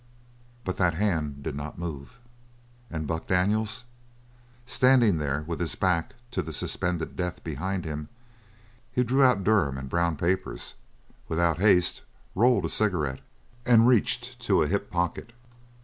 But that hand did not move; and Buck Daniels? Standing there with his back to the suspended death behind him, he drew out Durham and brown papers, without haste, rolled a cigarette, and reached to a hip pocket.